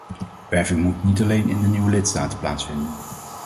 Werving moet niet alleen in de nieuwe lidstaten plaatsvinden.